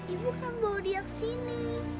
ibu akan bawa dia ke sini